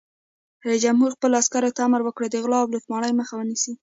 رئیس جمهور خپلو عسکرو ته امر وکړ؛ د غلا او لوټمارۍ مخه ونیسئ!